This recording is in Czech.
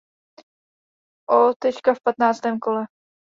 O. v patnáctém kole.